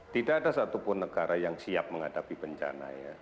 tidak ada satupun negara yang siap menghadapi bencana ya